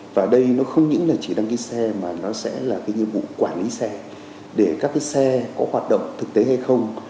và đây nó không những là chỉ đăng ký xe mà nó sẽ là cái nhiệm vụ quản lý xe để các cái xe có hoạt động thực tế hay không